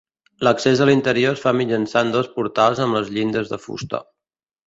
L'accés a l'interior es fa mitjançant dos portals amb les llindes de fusta.